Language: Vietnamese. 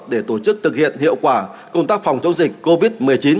để tổ chức thực hiện hiệu quả công tác phòng chống dịch covid một mươi chín